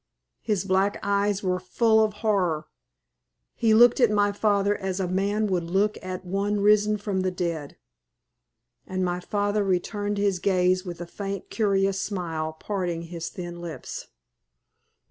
His black eyes were full of horror; he looked at my father as a man would look at one risen from the dead. And my father returned his gaze with a faint, curious smile parting his thin lips.